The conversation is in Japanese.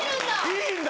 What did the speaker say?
いいんだ。